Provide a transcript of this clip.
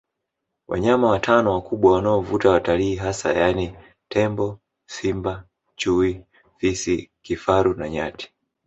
Wanyama watano wakubwa wanaovuta watalii hasa yaani tembo Simba Chui Fisi Kifaru na Nyati